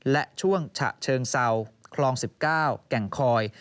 และช่วงฉะเชิงเซาคลอง๑๙แก่งคอย